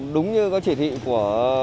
đúng như có chỉ thị của